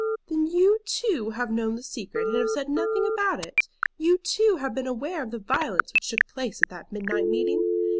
"Then you, too, have known the secret, and have said nothing about it? You, too, have been aware of the violence which took place at that midnight meeting?